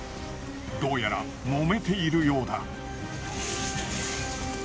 どうやらもめているようだ。